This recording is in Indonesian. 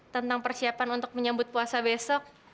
tentang persiapan untuk menyambut puasa besok